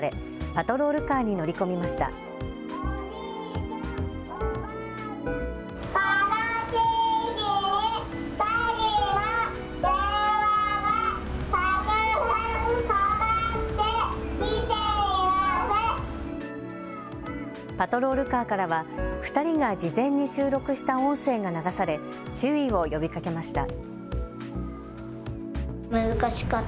パトロールカーからは２人が事前に収録した音声が流され注意を呼びかけました。